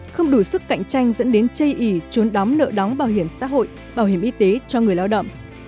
không đủ sức cạnh tranh dẫn đến chây ý trốn đóng nợ đóng bảo hiểm xã hội bảo hiểm y tế cho người lao động